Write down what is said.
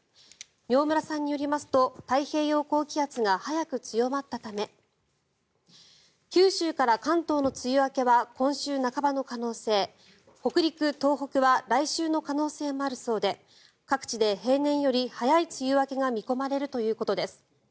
饒村さんによりますと太平洋高気圧が早く強まったため九州から関東の梅雨明けは今週半ばの可能性北陸・東北は来週の可能性もあるそうで各地で平年より早い梅雨明けが見込まれるということです。